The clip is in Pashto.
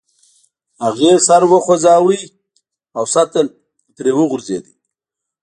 هغې سر وخوزاوه او سطل ترې وغورځید.